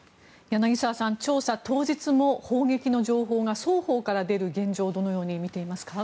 柳澤さん調査当日も砲撃の情報が双方から出る現状をどのように見ていますか？